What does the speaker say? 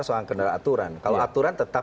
soal kendala aturan kalau aturan tetap